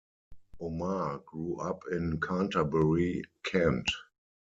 Omar grew up in Canterbury, Kent.